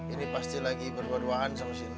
ini pasti lagi berbual bualan sama si ray